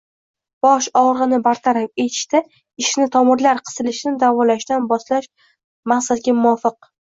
Bosh og‘rig‘ini bartaraf etishda ishni tomirlar qisilishini davolashdan boshlash maqsadga muvofiq.